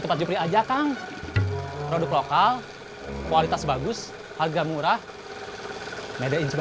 yang penting modelnya cocok warnanya cocok dan berbeda beda ya kan